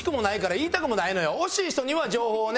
惜しい人には情報をね